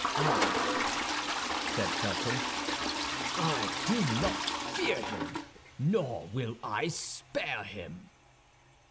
"I," said Felton, "I do not fear him, nor will I spare him."